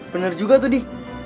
bener juga tuh dih